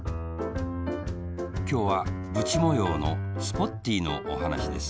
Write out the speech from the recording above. きょうはブチもようのスポッティーのおはなしです